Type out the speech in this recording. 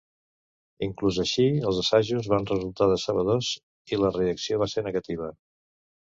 Inclús així, els assajos van resultar decebedors i la reacció va ser negativa.